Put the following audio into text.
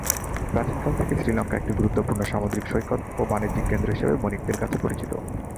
প্রাচীনকাল থেকেই শ্রীলঙ্কা একটি গুরুত্বপূর্ণ সামুদ্রিক সৈকত ও বাণিজ্যিক কেন্দ্র হিসেবে বণিকদের কাছে পরিচিত।